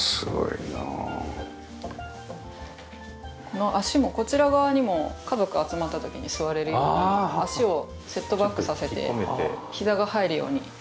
この脚もこちら側にも家族集まった時に座れるように脚をセットバックさせてひざが入るようにしてます。